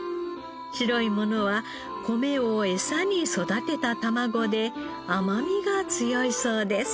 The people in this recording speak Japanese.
白いものは米を餌に育てたたまごで甘みが強いそうです。